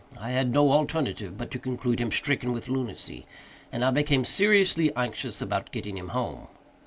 I had no alternative but to conclude him stricken with lunacy, and I became seriously anxious about getting him home.